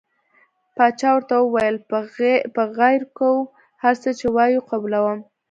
باچا ورته وویل پر غیر کوو هر څه چې وایې قبلووم.